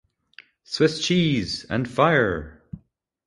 "Swiss Cheese" and "Fire!